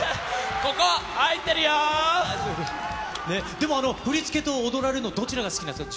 ここ、でも、振り付けと踊られるの、どちらが好きですか？